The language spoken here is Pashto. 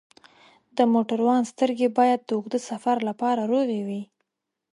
د موټروان سترګې باید د اوږده سفر لپاره روغې وي.